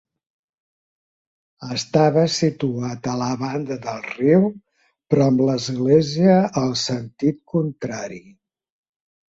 Estava situat a la banda del riu però amb l'església al sentit contrari.